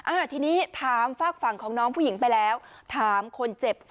อ่าทีนี้ถามฝากฝั่งของน้องผู้หญิงไปแล้วถามคนเจ็บ